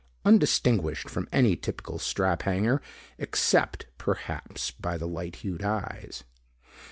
Undistinguished from any typical strap hanger except perhaps by the light hued eyes.